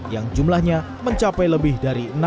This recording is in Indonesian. yang jumlahnya mencapai lebih dari enam puluh enam orang